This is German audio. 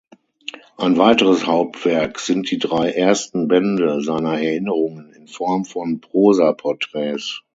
Ein weiteres Hauptwerk sind die drei ersten Bände seiner Erinnerungen in Form von Prosa-Porträts.